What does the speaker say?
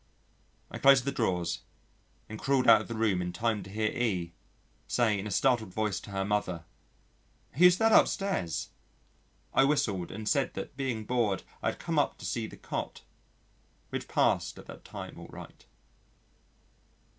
I closed the drawers and crawled out of the room in time to hear E say in a startled voice to her mother: "Who's that upstairs?" I whistled, and said that being bored I had come up to see the cot: which passed at that time all right.